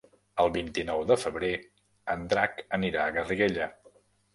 El vint-i-nou de febrer en Drac anirà a Garriguella.